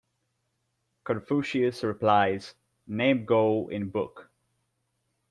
Confucius replies, "Name go in book".